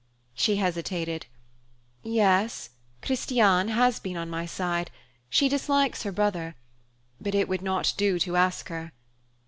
She hesitated. "Yes, Christiane has been on my side. She dislikes her brother. But it would not do to ask her."